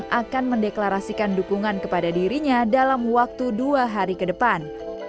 yang akan mendeklarasikan dukungan kepada dirinya dalam waktu dua hari ke depan